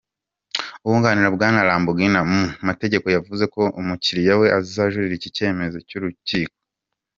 Uwunganira Bwana Lobognon mu mategeko yavuze ko umukiliya we azajurira iki cyemezo cy'urukiko.